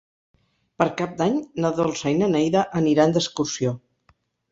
Per Cap d'Any na Dolça i na Neida aniran d'excursió.